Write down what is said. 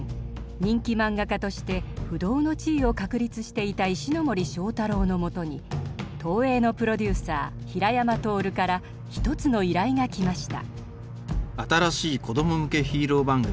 人気マンガ家として不動の地位を確立していた石森章太郎のもとに東映のプロデューサー平山亨から一つの依頼が来ました。